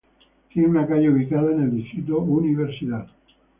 Tiene una calle ubicada en el distrito Universidad.